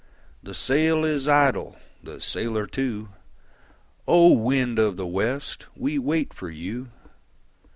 The sail is idle, the sailor too; O! wind of the west, we wait for you.